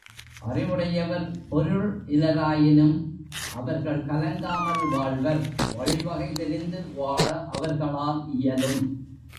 அறிவுடையவர் பொருள் இலராயினும் அவர்கள், கலங்காமல் வாழ்வர் வழிவகை தெரிந்து வாழ அவர்களால் இயலும்.